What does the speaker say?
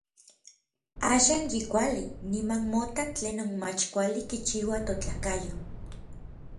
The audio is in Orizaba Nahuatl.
Axan yi kuali, niman mota tlenon mach kuali kichiua totlakayo.